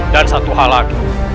dan satu hal lagi